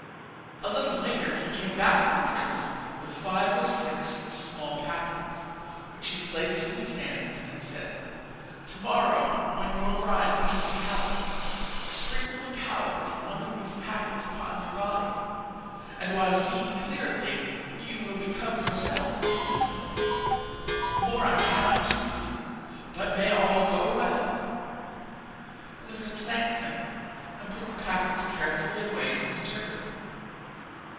A little later he came back to the prince with five or six small packets, which he placed in his hands and said: 'To morrow, when your bride leaves the palace, sprinkle the powder from one of these packets upon your body, and while seeing clearly, you will become yourself invisible. More I cannot do for you, but may all go well!' And the prince thanked him, and put the packets carefully away in his turban.